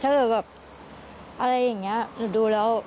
ถ้าเกิดแบบอะไรอย่างนี้หนูดูแล้ว